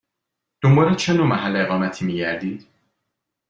دنبال چه نوع محل اقامتی می گردید؟